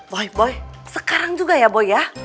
boy boy sekarang juga ya bu ya